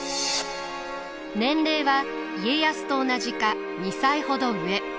年齢は家康と同じか２歳ほど上。